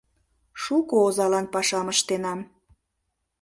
Шуко озалан пашам ыштенам.